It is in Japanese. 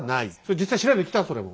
実際調べてきたそれも。